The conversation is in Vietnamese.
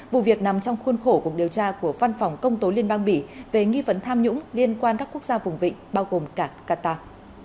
vụ việc nằm trong khuôn khổ cuộc điều tra của văn phòng công tố liên bang bỉ về nghi vấn tham nhũng liên quan các quốc gia vùng vịnh bao gồm cả qatar